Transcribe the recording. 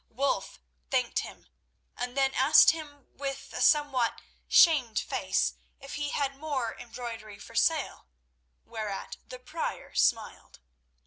Wulf thanked him, and then asked him with a somewhat shamed face if he had more embroidery for sale, whereat the Prior smiled.